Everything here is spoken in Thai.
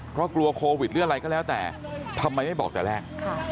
เพราะกลัวโควิดหรืออะไรก็แล้วแต่ทำไมไม่บอกแต่แรก